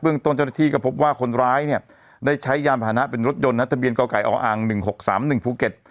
เบื้องต้นเจ้าหน้าที่ก็พบว่าคนร้ายเนี่ยได้ใช้ยามภาษาเป็นรถยนต์นะธกออ๑๖๓๑ภูเก็ต